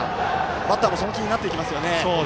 バッターもその気になってきますよね。